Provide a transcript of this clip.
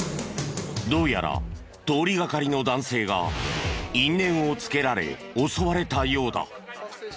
どうやら通りがかりの男性が因縁をつけられ襲われたようだ。